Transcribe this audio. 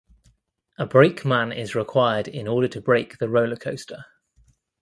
A brakeman is required in order to brake the roller coaster.